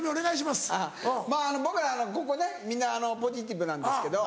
まぁ僕らここねみんなポジティブなんですけど。